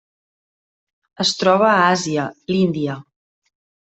Es troba a Àsia: l'Índia.